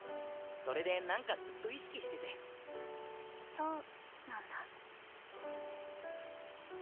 それでなんかずっと意識しててそうなんだ